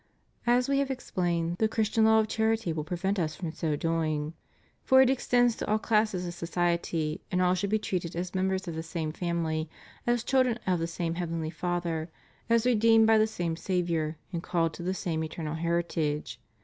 As We have explained, the Christian law of charity will prevent Us from so doing. For it extends to all classes of society, and all should be treated as members of the same family, as children of the same heavenly Father, as redeemed by the same Saviour, and called to the same eternal heritage.